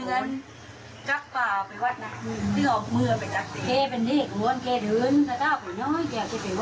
เอิ้นก็หอยแล้ว